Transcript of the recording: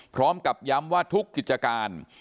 พร้อมกับย้ำว่าทุกกิจการ